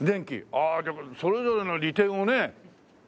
ああでもそれぞれの利点をねとってね。